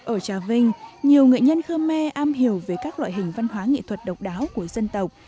ở trà vinh nhiều nghệ nhân khơ me am hiểu về các loại hình văn hóa nghệ thuật độc đáo của dân tộc